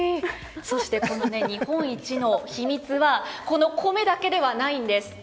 そして日本一の秘密は米だけではないんです。